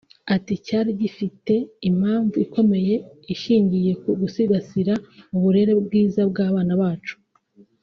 Ati “Cyari gifite impamvu ikomeye ishingiye ku gusigasira uburere bwiza bw’abana bacu